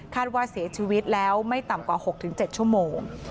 ว่าเสียชีวิตแล้วไม่ต่ำกว่า๖๗ชั่วโมง